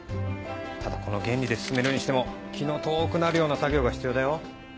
ただこの原理で進めるにしても気の遠くなるような作業が必要だよ？